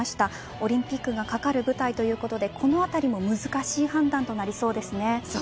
オリンピックが懸かる舞台ということでこのあたりもそうですね。